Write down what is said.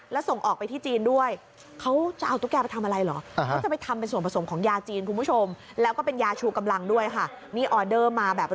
แล้วส่งออกไปที่จีนด้วยเขาจะเอาตุ๊กแก้วไปทำอะไรหรือ